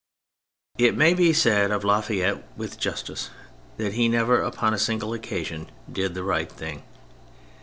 It may be said of La Fayette with justice that he never upon a single occasion did the right thing.